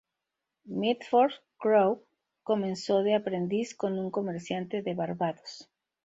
Mitford Crowe comenzó de aprendiz con un comerciante de Barbados.